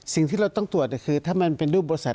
สิ่งที่เราต้องตรวจคือถ้ามันเป็นรูปบริษัท